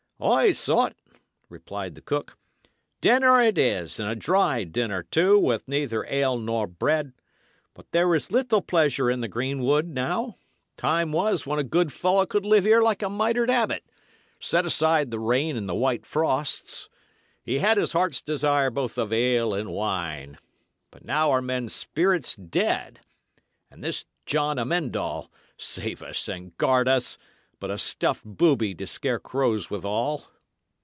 "Ay, sot," replied the cook, "dinner it is, and a dry dinner, too, with neither ale nor bread. But there is little pleasure in the greenwood now; time was when a good fellow could live here like a mitred abbot, set aside the rain and the white frosts; he had his heart's desire both of ale and wine. But now are men's spirits dead; and this John Amend All, save us and guard us! but a stuffed booby to scare crows withal."